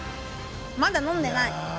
まだ飲んでない。